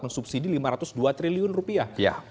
mensubsidi lima ratus dua triliun rupiah